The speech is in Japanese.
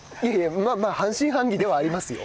まあ半信半疑ではありますよ。